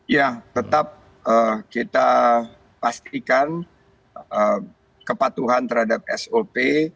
ya tetap kita pastikan kepatuhan terhadap sop